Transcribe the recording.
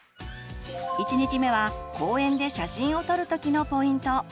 １日目は公園で写真を撮る時のポイント。